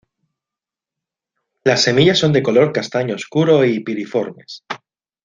Las semillas son de color castaño oscuro y piriformes.